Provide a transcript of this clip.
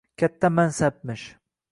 Katta mansabmish…